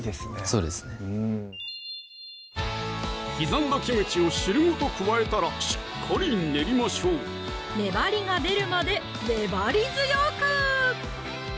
そうですね刻んだキムチを汁ごと加えたらしっかり練りましょう粘りが出るまで粘り強く！